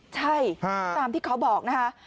ใช่ตามที่เขาบอกนะคะ